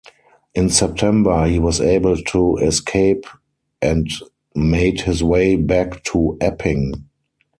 In September, he was able to escape and made his way back to Epping.